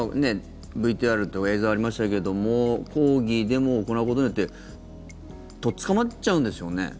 でも今、ＶＴＲ映像ありましたけども抗議、デモを行うことによって取っ捕まっちゃうんですよね？